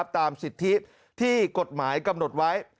ตามสิทธิที่กฎหมายกำหนดไว้